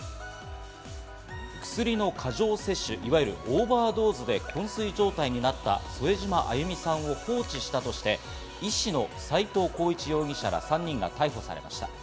薬の過剰摂取、いわゆるオーバードーズで昏睡状態になった添島亜祐美さんを放置したとして、医師の斎藤浩一容疑者ら３人が逮捕されました。